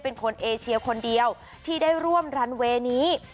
เป็นคนเอเชียคนเดียวที่ได้ร่วมรันเวย์นี้